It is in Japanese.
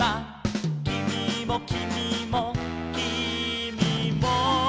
「きみもきみもきみも」